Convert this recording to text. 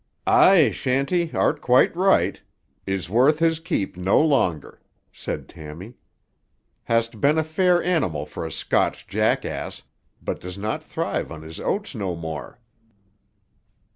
"Aye, Shanty, art quite right. Is worth his keep no longer," said Tammy. "Hast been a fair animal for a Scotch jackass, but does not thrive on his oats no more."